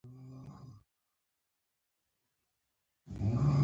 استعفا د مامور حق دی